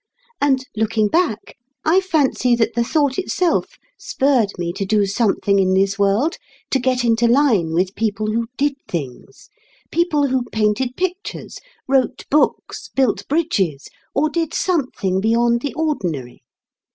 And looking back I fancy that the thought itself spurred me to do something in this world, to get into line with people who did things people who painted pictures, wrote books, built bridges, or did something beyond the ordinary.